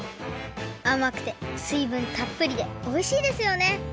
あまくてすいぶんたっぷりでおいしいですよね！